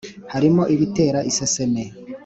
harimo ibitera iseseme,